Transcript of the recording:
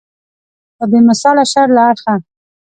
په بې مثاله شر له اړخه.